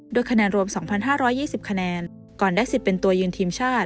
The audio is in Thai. ด้วยคะแนนรวมสองพันห้าร้อยยี่สิบคะแนนก่อนได้สิทธิ์เป็นตัวยืนทีมชาติ